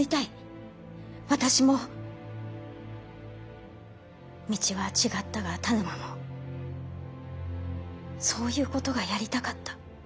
私も道は違ったが田沼もそういうことがやりたかった。